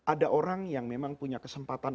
ada orang yang memang punya kesempatan